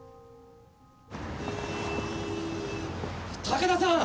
武田さん！